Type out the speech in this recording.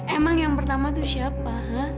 emang yang pertama tuh siapa ha